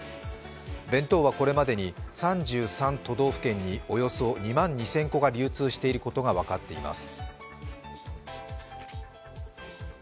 弁当はこれまでに３３都道府県におよそ２万２０００個が流通していることが分かっています。